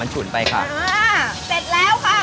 อ๋อเมนูนี้ต้องใส่ผมกะลี